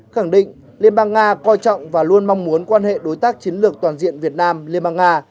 khẳng định liên bang nga coi trọng và luôn mong muốn quan hệ đối tác chiến lược toàn diện việt nam liên bang nga